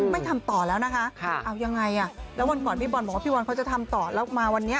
ไม่ทำต่อแล้วนะคะเอายังไงอ่ะแล้ววันก่อนพี่บอลบอกว่าพี่บอลเขาจะทำต่อแล้วมาวันนี้